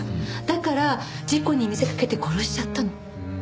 だから事故に見せかけて殺しちゃったの。